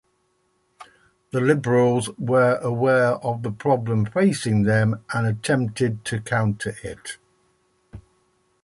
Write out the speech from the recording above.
The Liberals were aware of the problem facing them, and attempted to counter it.